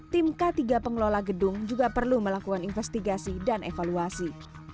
tim k tiga pengelola gedung juga perlu melakukan investigasi dan evaluasi